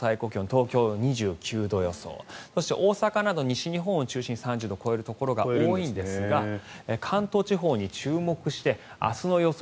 東京、２９度予想そして、大阪など西日本を中心に３０度を超えるところが多いんですが関東地方に注目して明日の予想